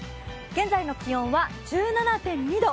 現在の気温は１７．２度。